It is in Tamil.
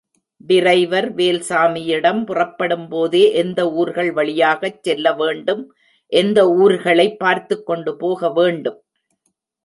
டிரைவர் வேல்சாமியிடம் புறப்படும்போதே எந்த ஊர்கள் வழியாகச் செல்ல வேண்டும் எந்த ஊர்களை பார்த்துக் கொண்டு போக வேண்டும்.